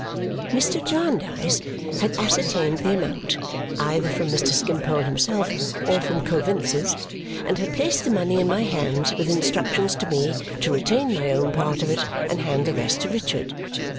Mr. Jarndyce had ascertained the amount, either from Mr. Skimpole himself or from Coavinses, and had placed the money in my hands with instructions to me to retain my own part of it and hand the rest to Richard.